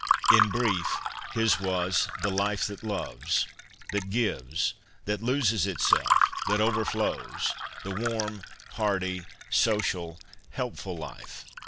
In brief, his was ' the life that loves, that gives, that loses itself, that overflows ; the warm, hearty, social, helpful life.'